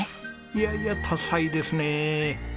いやいや多才ですね。